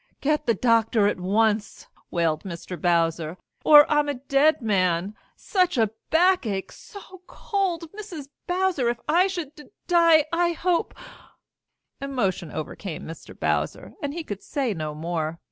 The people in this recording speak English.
"Get the doctor at once," wailed Mr. Bowser, "or I'm a dead man! Such a backache! So cold! Mrs. Bowser, if I should d die, I hope " Emotion overcame Mr. Bowser, and he could say no more.